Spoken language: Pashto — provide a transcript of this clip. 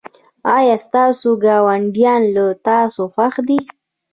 ایا ستاسو ګاونډیان له تاسو خوښ دي؟